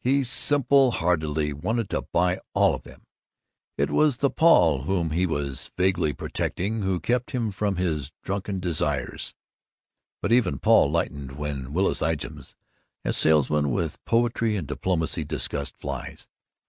He simple heartedly wanted to buy all of them. It was the Paul whom he was always vaguely protecting who kept him from his drunken desires. But even Paul lightened when Willis Ijams, a salesman with poetry and diplomacy, discussed flies.